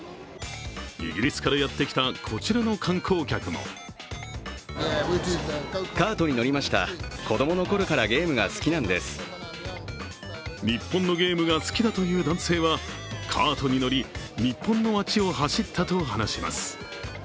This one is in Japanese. イギリスからやってきたこちらの観光客も日本のゲームが好きだという男性はカートに乗り日本の街を走ったと話します。